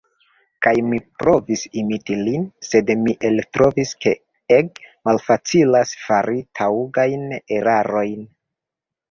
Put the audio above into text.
Kaj mi provis imiti lin, sed mi eltrovis ke ege malfacilas fari taŭgajn erarojn.